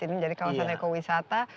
ini jadi kawasan ekowisata